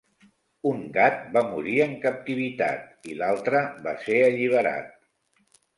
Un gat va morir en captivitat i l'altre va ser alliberat.